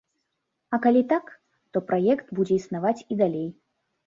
А калі так, то праект будзе існаваць і далей.